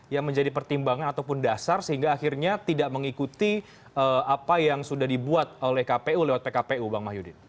yang menjadi pertimbangan ataupun dasar sehingga akhirnya tidak mengikuti apa yang sudah dibuat oleh kpu lewat pkpu bang mahyudin